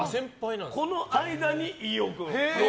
この間に、飯尾君。